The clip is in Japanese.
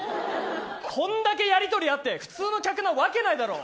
こんだけやりとりあって普通の客なわけないだろ。